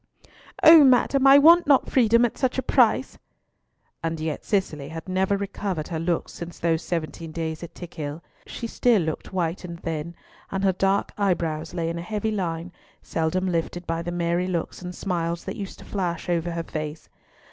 "O madam, I want not freedom at such a price!" And yet Cicely had never recovered her looks since those seventeen days at Tickhill. She still looked white and thin, and her dark eyebrows lay in a heavy line, seldom lifted by the merry looks and smiles that used to flash over her face.